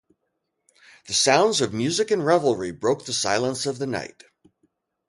The sounds of music and revelry broke the silence of the night.